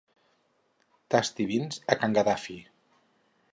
Tasti vins a can Gaddafi.